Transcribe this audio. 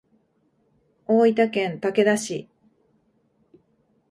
大分県竹田市